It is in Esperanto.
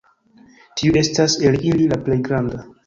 Tiu estas el ili la plej granda.